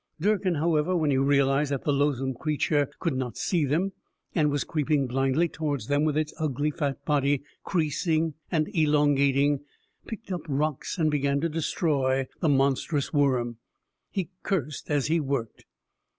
Durkin, however, when he realized that the loathsome creature could not see them and was creeping blindly towards them with its ugly, fat body creasing and elongating, picked up rocks and began to destroy the monstrous worm. He cursed as he worked.